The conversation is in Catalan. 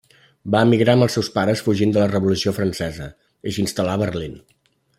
Va emigrar amb els seus pares fugint de la Revolució francesa, i s'instal·là a Berlín.